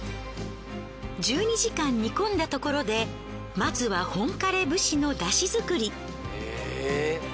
１２時間煮込んだところでまずは本枯れ節の出汁作り。